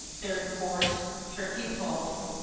THIRD COURSE. Turkey Poult.